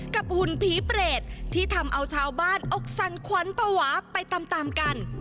หุ่นผีเปรตที่ทำเอาชาวบ้านอกสั่นขวัญภาวะไปตามตามกัน